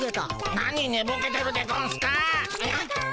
なにねぼけてるでゴンスか。